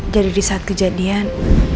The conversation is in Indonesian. jadi di saat kejadian